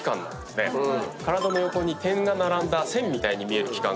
体の横に点が並んだ線みたいに見える器官がある。